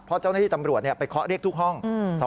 เพราะเจ้าหน้าที่ตำรวจไปเคาะเรียกทุกห้อง